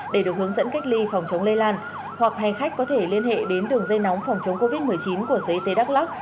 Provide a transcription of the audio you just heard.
để được hướng dẫn cách ly phòng chống lây lan hoặc hay khách có thể liên hệ đến đường dây nóng phòng chống covid một mươi chín của c d c đắk lắc